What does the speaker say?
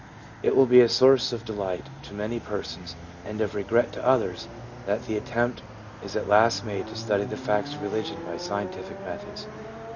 It will be a source of delight to many persons, and of regret to others, that the attempt is at last made to study the facts of religion by scientific methods.